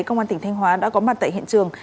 công an tỉnh thanh hóa đã có mặt tại hiện trường